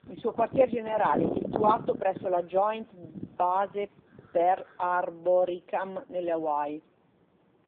Il suo quartier generale è situato presso la Joint Base Pearl Harbor-Hickam, nelle Hawaii.